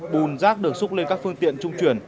bùn rác được xúc lên các phương tiện trung chuyển